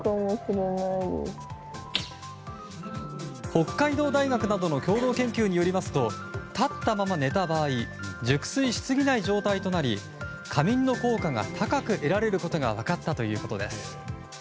北海道大学などの共同研究によりますと立ったまま寝た場合熟睡しすぎない状態となり仮眠の効果が高く得られることが分かったということです。